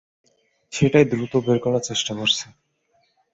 সেটাই দ্রুত বের করার চেষ্টা করছি।